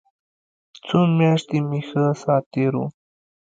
څو مياشتې مې ښه ساعت تېر و.